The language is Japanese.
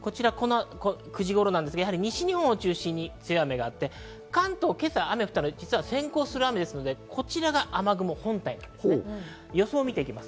９時頃なんですが、西日本を中心に強い雨が降って、関東は今朝雨降ったのは先行する雨ですのでこちらが雨雲本体です。